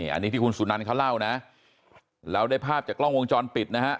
อันนี้ที่คุณสุนันเขาเล่านะเราได้ภาพจากกล้องวงจรปิดนะฮะ